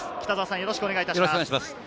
よろしくお願いします。